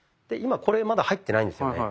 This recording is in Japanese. で今これまだ入っていないんですよね。